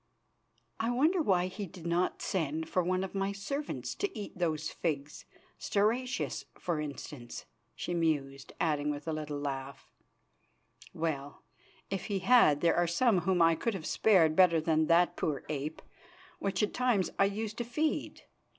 "I wonder why he did not send for one of my servants to eat those figs Stauracius, for instance," she mused, adding with a little laugh, "Well, if he had, there are some whom I could have spared better than that poor ape, which at times I used to feed.